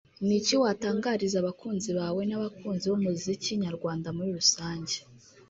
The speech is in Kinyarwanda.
Ni iki watangariza abakunzi bawe n’abakunzi b’umuziki nyarwanda muri Rusange